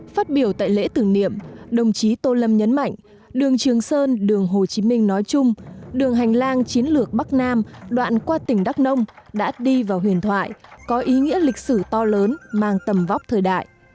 phát biểu tại lễ tưởng niệm đồng chí tô lâm nhấn mạnh đường trường sơn đường hồ chí minh nói chung đường hành lang chiến lược bắc nam đoạn qua tỉnh đắk nông đã đi vào huyền thoại có ý nghĩa lịch sử to lớn mang tầm vóc thời đại